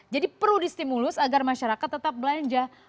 jadi perlu di stimulus agar masyarakat tetap belanja